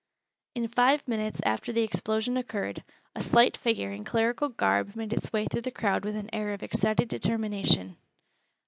In five minutes after the explosion occurred, a slight figure in clerical garb made its way through the crowd with an air of excited determination.